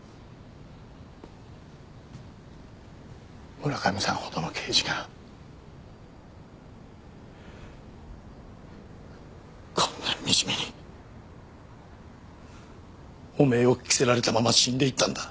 村上さんほどの刑事がこんな惨めに汚名を着せられたまま死んでいったんだ。